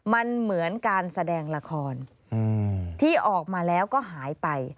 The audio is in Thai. มันเหมือนการแสดงละครที่ออกมาแล้วก็หายไป